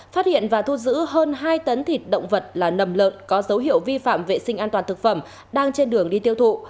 phát hiện và thu giữ hơn hai tấn thịt động vật là nầm lợn có dấu hiệu vi phạm vệ sinh an toàn thực phẩm đang trên đường đi tiêu thụ